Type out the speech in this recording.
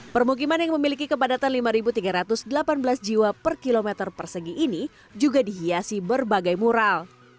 permukiman yang memiliki kepadatan lima tiga ratus delapan belas jiwa per kilometer persegi ini juga dihiasi berbagai mural